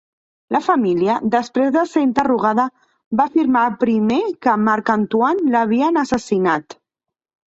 La família, després de ser interrogada, va afirmar primer que Marc-Antoine l'havien assassinat.